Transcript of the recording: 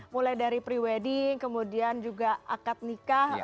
mulai dari pre wedding kemudian juga akad nikah